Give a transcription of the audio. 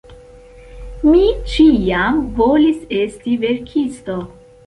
Mi ĉiam volis esti verkisto.